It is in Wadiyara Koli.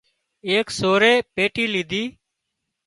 ايڪ سورئي پيٽي ليڌي